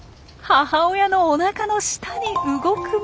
母親のおなかの下に動くもの。